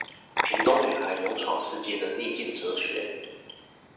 屏東女孩勇闖世界的逆境哲學